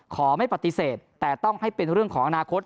ขอไม่ปฏิเสธแต่ต้องให้เป็นเรื่องของอนาคต